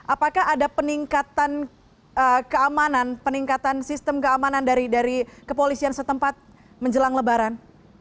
apakah ada peningkatan keamanan peningkatan sistem keamanan dari kepolisian setempat menjelang lebaran